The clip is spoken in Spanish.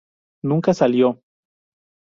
Nunca salió.